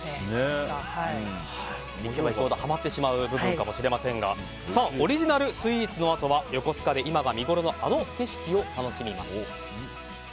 ハマってしまう部分かもしれませんがオリジナルスイーツのあとは横須賀で今が見ごろのあの景色を楽しみます。